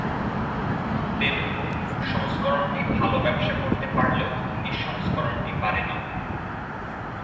তেলুগু সংস্করণটি ভালো ব্যবসা করতে পারলেও হিন্দি সংস্করণটি পারেনি।